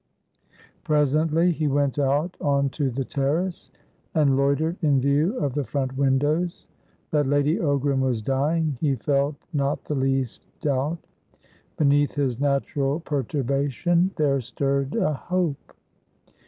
Presently he went out onto the terrace, and loitered in view of the front windows. That Lady Ogram was dying he felt not the least doubt. Beneath his natural perturbation there stirred a hope.